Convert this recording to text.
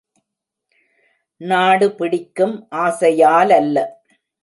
நாடு பிடிக்கும், ஆசையாலல்ல.